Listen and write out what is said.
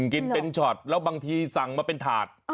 กินเป็นช็อตแล้วบางทีสั่งมาเป็นถาด